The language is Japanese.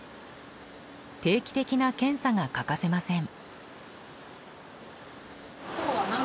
定期的な検査が欠かせません。